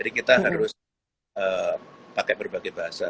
jadi kita harus pakai berbagai bahasa